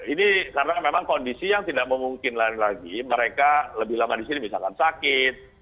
ini karena memang kondisi yang tidak memungkin lagi mereka lebih lama di sini misalkan sakit